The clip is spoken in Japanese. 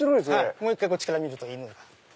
もう一回こっちから見ると犬が。